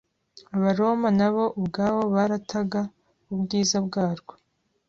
Abaroma na bo ubwabo barataga ubwiza bwarwo.